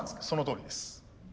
そのとおりです。